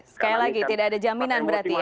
sekali lagi tidak ada jaminan berarti ya